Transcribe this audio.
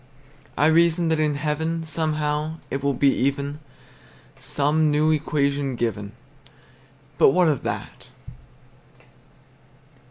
I reason that in heaven Somehow, it will be even, Some new equation given; But what of that?